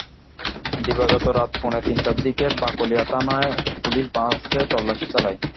দিবাগত রাত পৌনে তিনটার দিকে বাকলিয়া থানার পুলিশ বাসে তল্লাশি চালায়।